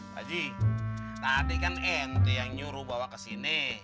haji tadi kan end yang nyuruh bawa ke sini